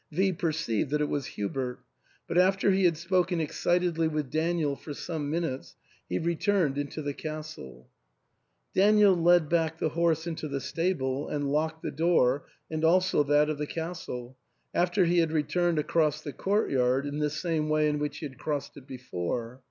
V perceived that it was Hubert ; but after he had spoken excitedly with Daniel for some minutes, he returned into the castle. Daniel led back the horse into the stable and locked the door, and also that of the castle, after he had returned across the court yard in the same way in which he crossed it before.